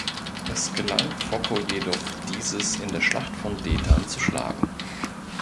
Es gelang Focko jedoch, dieses in der Schlacht von Detern zu schlagen.